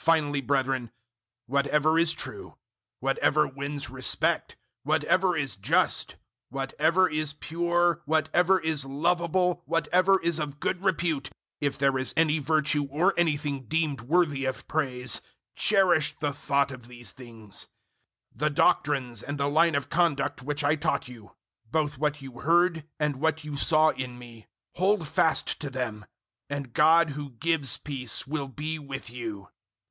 004:008 Finally, brethren, whatever is true, whatever wins respect, whatever is just, whatever is pure, whatever is lovable, whatever is of good repute if there is any virtue or anything deemed worthy of praise cherish the thought of these things. 004:009 The doctrines and the line of conduct which I taught you both what you heard and what you saw in me hold fast to them; and God who gives peace will be with you.